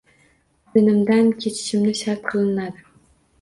Dinimdan kechishimni shart qilinadi